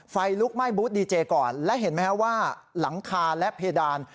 ไฟลุกไหม้บูธดีเจก่อนและเห็นไหมฮะว่าหลังคาและเพดาน